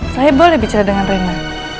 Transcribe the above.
saya boleh bicara dengan rima